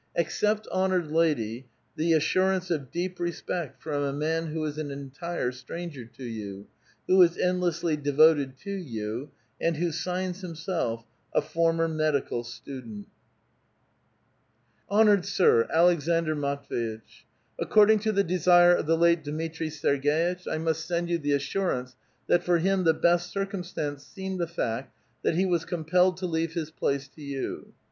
Accept, honored lady, the assurance of deep respect from a man who is an entire stranger to you, who is end lessly devoted to you, and who signs himself, A Former Medical Studei^t^ 4 VITAL QUESTION. 829 HoKOBBD Sir,' Aleksandr Matvj^itch, — According tx> the desire of the late Dmitri Sergei tch, I must send you the assurance that for him the best circum stance Beemed the fact that he was compelled to leave his place to you.